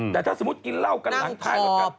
แต่ถ้าสมมุติกินเหล้ากันหลังท้ายรถกัน